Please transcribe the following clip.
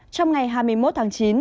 trong ngày hai mươi một tháng chín